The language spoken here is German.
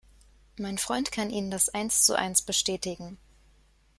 Mein Freund kann Ihnen das eins zu eins bestätigen.